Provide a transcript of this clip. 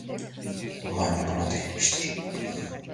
Umarım buna değmiştir.